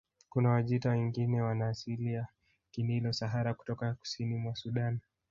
Kuna Wajita wengine wana asili ya Kinilo Sahara kutoka kusini mwa Sudan